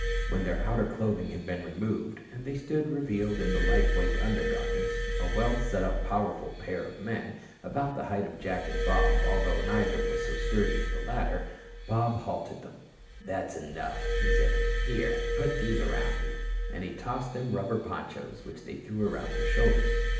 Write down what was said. When their outer clothing had been removed, and they stood revealed in light weight undergarments a well set up powerful pair of men, about the height of Jack and Bob although neither was so sturdy as the latter Bob halted them. "That's enough," he said. "Here put these around you." And he tossed them rubber ponchos which they threw around their shoulders.